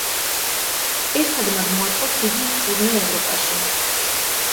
ერთად მათ მოაწყვეს დიდი ტურნე ევროპაში.